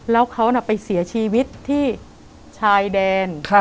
แล้วเขาไปเสียชีวิตที่ชายแดน